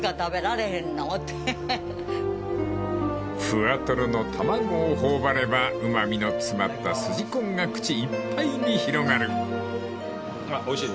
［ふわとろの卵を頬張ればうま味の詰まったすじこんが口いっぱいに広がる］